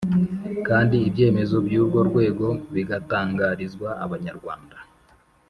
kandi ibyemezo by’urwo rwego bigatangarizwa abanyarwanda